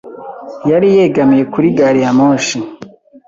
yari yegamiye kuri gari ya moshi.